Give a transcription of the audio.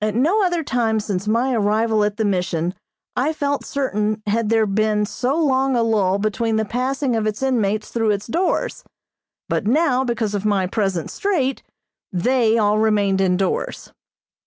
At no other time since my arrival at the Mission I felt certain had there been so long a lull between the passing of its inmates through its doors; but now, because of my present strait, they all remained indoors.